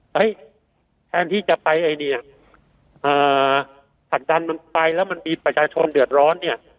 แทนที่จะไปไอ้เนี่ยผลักดันมันไปแล้วมันมีประชาชนเดือดร้อนเนี่ย